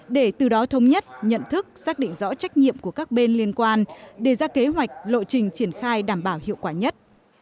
để từ đó thông nhất nhận thức xác định rõ trách nhiệm của các bên liên quan đề ra kế hoạch lộ trình triển khai đảm bảo hiệu quả nhất